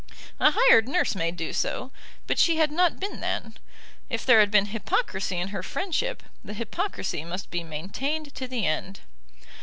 A hired nurse may do so, but she had not been that. If there had been hypocrisy in her friendship the hypocrisy must be maintained to the end.